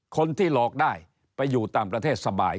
คนที่หลอกได้ไปอยู่ต่างประเทศสบาย